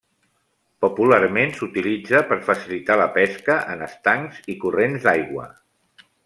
Popularment s'utilitza per facilitar la pesca en estancs i corrents d'aigua.